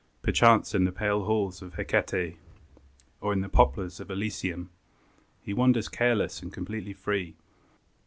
Perchance in the pale halls of Hecate, Or in the poplars of Elysium, He wanders careless and completely free.